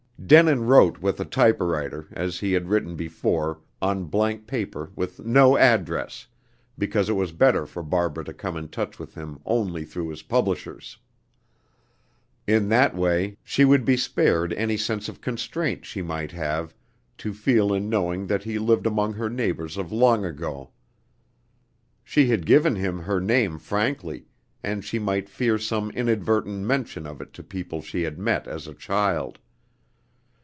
Denin wrote with a typewriter, as he had written before, on blank paper with no address, because it was better for Barbara to come in touch with him only through his publishers. In that way, she would be spared any sense of constraint she might have to feel in knowing that he lived among her neighbors of long ago. She had given him her name frankly, and she might fear some inadvertent mention of it to people she had met as a child.